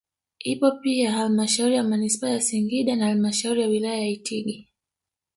ipo pia Hlmashauri ya Manispaa ya Singida na halmashauri ya wilaya ya Itigi